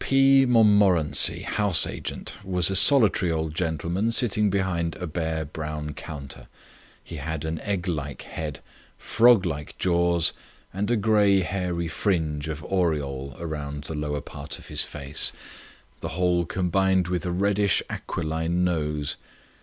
P. Montmorency, House Agent, was a solitary old gentleman sitting behind a bare brown counter. He had an egglike head, froglike jaws, and a grey hairy fringe of aureole round the lower part of his face; the whole combined with a reddish, aquiline nose.